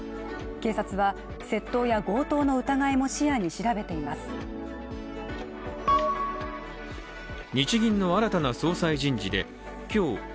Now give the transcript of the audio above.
警察は窃盗や強盗の疑いも視野に調べています。